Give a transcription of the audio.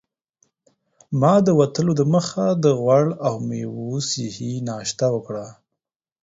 ما د وتلو دمخه د غوړ او میوو صحي ناشته وکړه.